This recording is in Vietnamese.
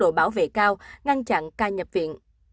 đội bảo vệ cao ngăn chặn ca nhập viện